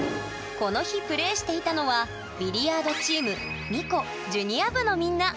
この日プレーしていたのはビリヤードチームのみんな。